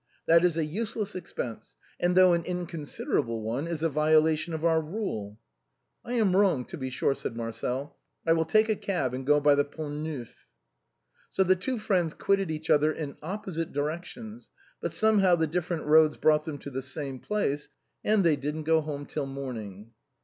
That is a useless expense ; and, though an inconsiderable one, is a violation of our rule." " I am wrong, to be sure," said Marcel. " I will take a cab and go by the Pont Neuf." So the two friends quitted each other in opposite direc tions, but somehow the different roads brought them to the same place, and they didn't go home till morning.